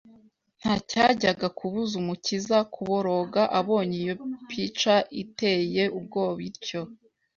Ntacyajyaga kubuza Umukiza kuboroga abonye iyo pica itcye ubwoba ityo